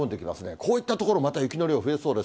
こういった所、また雪の量増えそうです。